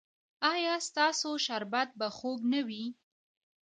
ایا ستاسو شربت به خوږ نه وي؟